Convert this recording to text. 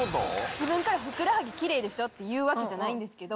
自分からキレイでしょ？って言うわけじゃないんですけど。